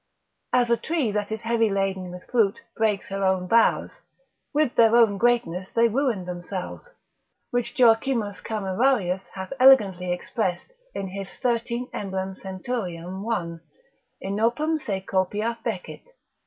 As a tree that is heavy laden with fruit breaks her own boughs, with their own greatness they ruin themselves: which Joachimus Camerarius hath elegantly expressed in his 13 Emblem cent. 1. Inopem se copia fecit.